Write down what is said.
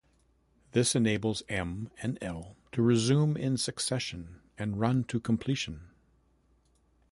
This enables M and L to resume in succession and run to completion.